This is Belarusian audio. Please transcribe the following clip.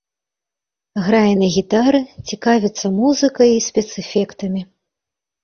Грае на гітары, цікавіцца музыкай і спецэфектамі.